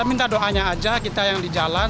minta doanya aja kita yang di jalan